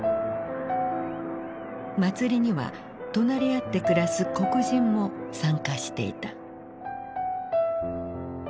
祭りには隣り合って暮らす黒人も参加していた。